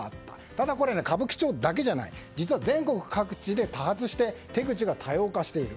ただこれは歌舞伎町だけじゃなく全国各地で多発して、手口が多様化している。